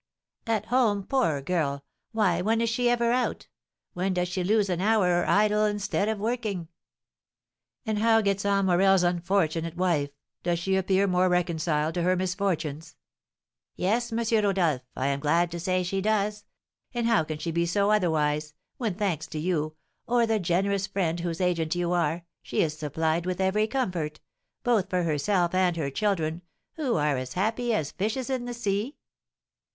"At home, poor girl! Why, when is she ever out? When does she lose an hour, or idle instead of working?" "And how gets on Morel's unfortunate wife? Does she appear more reconciled to her misfortunes?" "Yes, M. Rodolph, I am glad to say she does; and how can she be otherwise, when, thanks to you, or the generous friend whose agent you are, she is supplied with every comfort, both for herself and her children, who are as happy as fishes in the sea?